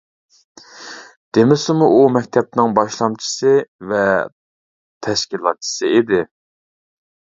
دېمىسىمۇ، ئۇ مەكتەپنىڭ باشلامچىسى ۋە تەشكىلاتچىسى ئىدى.